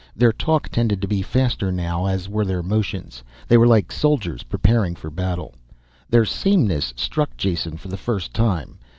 Their talk tended to be faster now as were their motions. They were like soldiers preparing for battle. Their sameness struck Jason for the first time.